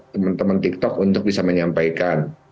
teman teman tiktok untuk bisa menyampaikan